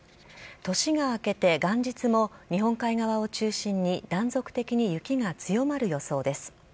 年が明けて元日も日本海側を中心に断続的に雪が強まる予想です。